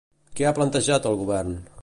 Què ha plantejat el Govern?